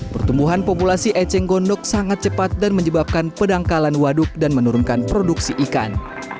pertumbuhan populasi eceng gondok sangat cepat dan menyebabkan pedangkalan waduk dan menurunkan produksi ikan